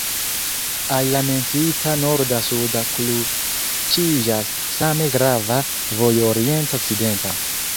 Al la menciita norda-suda kruciĝas same grava vojo orienta-okcidenta.